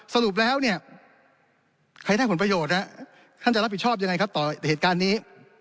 สรุปแล้วเนี่ยใครได้ผลประโยชน์ท่านจะรับผิดชอบยังไงครับต่อเหตุการณ์นี้